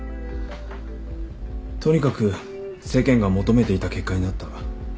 とにかく世間が求めていた結果になった。